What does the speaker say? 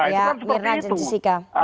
ya mirna dan jessica